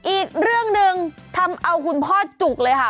อีกเรื่องหนึ่งทำเอาคุณพ่อจุกเลยค่ะ